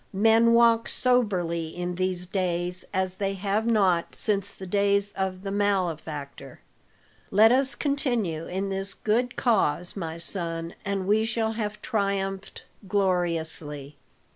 Men walk soberly in these days as they have not since the days of the malefactor. Let us continue in this good cause, my son, and we shall have triumphed gloriously.